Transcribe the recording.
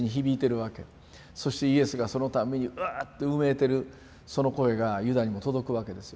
そしてイエスがそのたんびにウッ！ってうめいてるその声がユダにも届くわけですよ。